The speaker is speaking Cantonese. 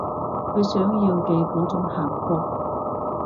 佢想要嘅嗰種幸福